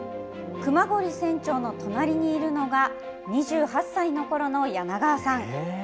熊凝船長の隣にいるのが、２８歳のころの柳川さん。